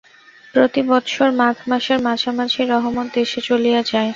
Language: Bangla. প্রতি বৎসর মাঘ মাসের মাঝামাঝি রহমত দেশে চলিয়া যায়।